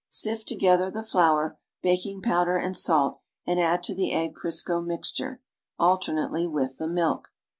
Sift together the flour, baking powder and salt and add to the egg Crisco mixture, alter nately, with the milk.